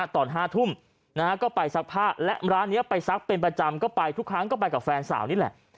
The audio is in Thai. ตอน๕ทุ่มก็ไปซักผ้าและร้านนี้ไปซักเป็นประจำก็ไปทุกครั้งก็ไปกับแฟนสาวนี่แหละ